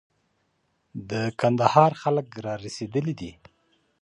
کندهار خلک را رسېدلي دي.